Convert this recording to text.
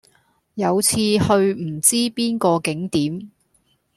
有次去唔知邊個景點